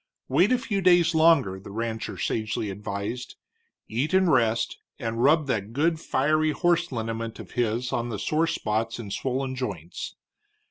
Wait a few days longer, the rancher sagely advised, eat and rest, and rub that good fiery horse liniment of his on the sore spots and swollen joints.